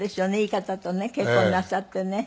いい方とね結婚なさってね。